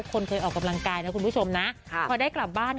คนเคยออกกำลังกายนะคุณผู้ชมนะพอได้กลับบ้าน